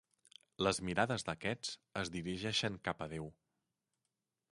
Les mirades d'aquests es dirigeixen cap a Déu.